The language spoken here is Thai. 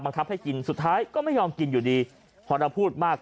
ครับให้กินสุดท้ายก็ไม่ยอมกินอยู่ดีพอเราพูดมาก